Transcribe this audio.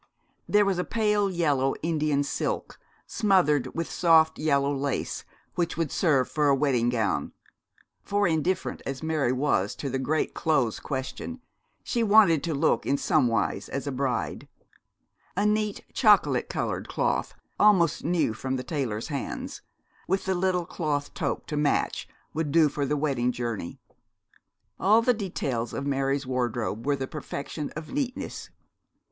There was a pale yellow Indian silk, smothered with soft yellow lace, which would serve for a wedding gown; for indifferent as Mary was to the great clothes question, she wanted to look in some wise as a bride. A neat chocolate coloured cloth, almost new from the tailor's hands, with a little cloth toque to match, would do for the wedding journey. All the details of Mary's wardrobe were the perfection of neatness.